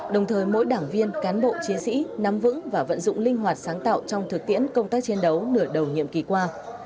đồng thời mỗi đảng viên cán bộ chiến sĩ nắm vững và vận dụng linh hoạt sáng tạo trong thực tiễn công tác chiến đấu nửa đầu nhiệm kỳ qua